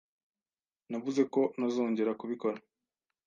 Navuze ko ntazongera kubikora.